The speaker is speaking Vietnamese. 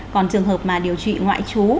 còn trường hợp điều trị ngoại chú